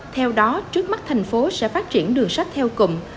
theo đó trước mắt thành phố sẽ phát triển đường sách theo cùng